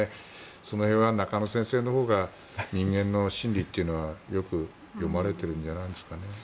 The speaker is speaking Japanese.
その辺は中野先生のほうが人間の心理というのはよく読まれているんじゃないですかね。